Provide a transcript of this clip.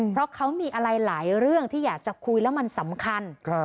เพราะเขามีอะไรหลายเรื่องที่อยากจะคุยแล้วมันสำคัญ